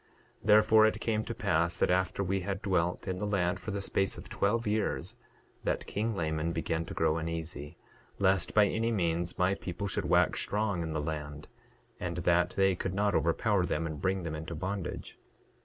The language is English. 9:11 Therefore it came to pass, that after we had dwelt in the land for the space of twelve years that king Laman began to grow uneasy, lest by any means my people should wax strong in the land, and that they could not overpower them and bring them into bondage.